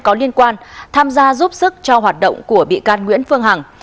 có liên quan tham gia giúp sức cho hoạt động của bị can nguyễn phương hằng